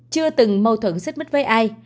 chưa từng mâu thuận xích mích với ai